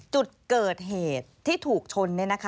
จุดเกิดเหตุที่ถูกชน